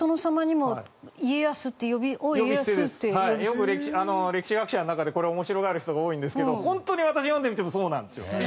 よく歴史学者の中でこれ面白がる人が多いんですけどホントに私読んでみてもそうなんですよ。